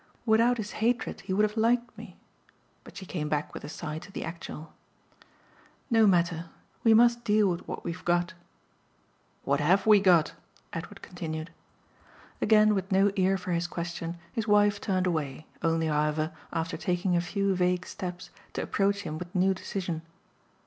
"Without his hatred he would have liked me." But she came back with a sigh to the actual. "No matter. We must deal with what we've got." "What HAVE we got?" Edward continued. Again with no ear for his question his wife turned away, only however, after taking a few vague steps, to approach him with new decision.